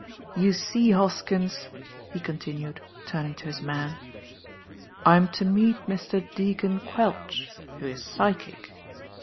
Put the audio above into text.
You see, Hoskins," he continued, turning to his man, "I'm to meet Mr. Deacon Quelch, who is psychic.